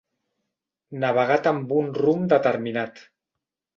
Navegat amb un rumb determinat.